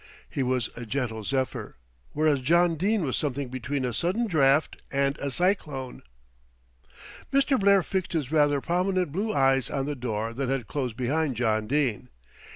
He was a gentle zephyr, whereas John Dene was something between a sudden draught and a cyclone. Mr. Blair fixed his rather prominent blue eyes on the door that had closed behind John Dene.